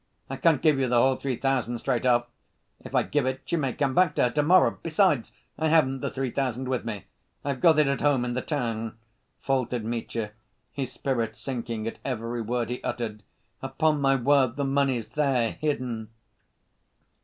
I can't give you the whole three thousand straight off. If I give it, you may come back to her to‐morrow.... Besides, I haven't the three thousand with me. I've got it at home in the town," faltered Mitya, his spirit sinking at every word he uttered. "Upon my word, the money's there, hidden."